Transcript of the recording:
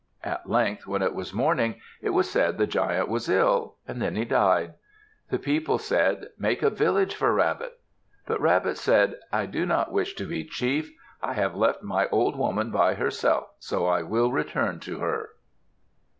At length when it was morning, it was said the Giant was ill. Then he died. The people said, "Make a village for Rabbit!" But Rabbit said, "I do not wish to be chief. I have left my old woman by herself, so I will return to her."